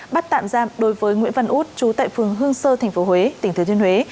bắt tạm giam đối với nguyễn văn út trú tại phường hương sơ tp huế tỉnh thứa thiên huế